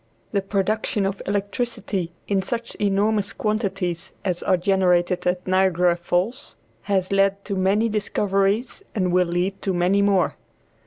The production of electricity in such enormous quantities as are generated at Niagara Falls has led to many discoveries and will lead to many more.